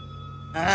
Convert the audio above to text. ああ？